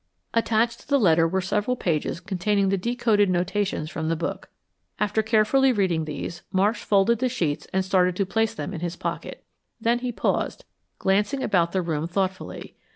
Attached to the letter were several pages containing the decoded notations from the book. After carefully reading these, Marsh folded the sheets and started to place them in his pocket. Then he paused, glancing about the room thoughtfully.